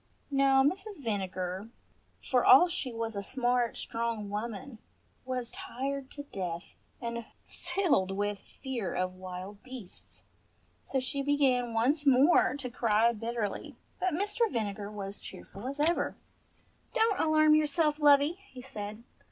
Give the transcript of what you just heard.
Now Mrs. Vinegar, for all she was a smart strong woman, was tired to death, and filled with fear of wild beasts, so she began once more to cry bitterly ; but Mr. Vinegar was cheerful as ever. "Don't alarm yourself, lovey," he said.